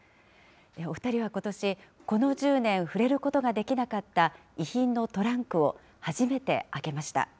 お２人はことし、この１０年、触れることができなかった遺品のトランクを初めて開けました。